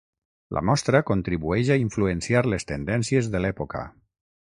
La Mostra contribueix a influenciar les tendències de l'època.